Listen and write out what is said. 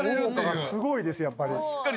効果がすごいですやっぱり。